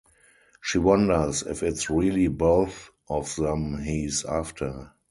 She wonders if it's really both of them he's after.